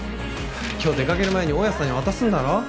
今日出掛ける前に大家さんに渡すんだろ！